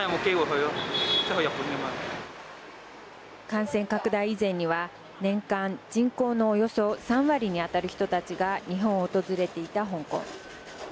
感染拡大以前には、年間人口のおよそ３割に当たる人たちが日本を訪れていた香港。